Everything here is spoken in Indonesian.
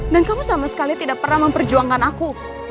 dan kamu sama sekali tidak pernah memperjuangkan aku